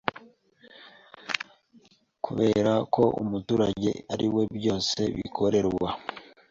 Kubera ko umuturage ari we byose bikorerwa,